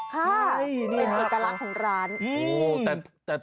ค่ะเป็นเอกลักษณ์ของร้าน